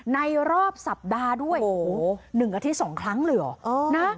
ในรอบสัปดาห์ด้วยโอ้โหหนึ่งอาทิตย์สองครั้งเลยเหรอเออน่ะ